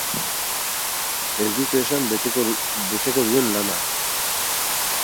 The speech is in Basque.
Ez dute esan beteko duen lana.